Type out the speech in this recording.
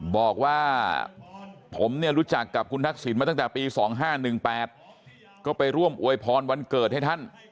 บอกว่าผมเนี่ยรู้จักกับคุณทักษิณมาตั้งแต่ปี๒๕๑๘ก็ไปร่วมอวยพรวันเกิดให้ท่าน